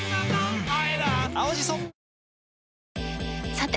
さて！